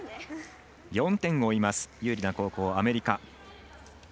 ４点を追います有利な後攻、アメリカ。